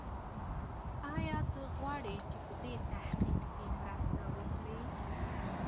ایا ته غواړې چي په دې تحقیق کې مرسته وکړې؟